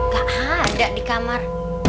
gak ada di kamar